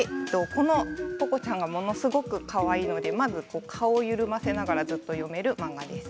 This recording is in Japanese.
このポコちゃんがものすごくかわいいので顔を緩ませながら読める漫画です。